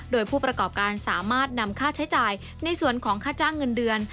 โดยผู้ประกอบการสามารถนำค่าใช้จ่ายในส่วนของค่าจ้างเงินเดือน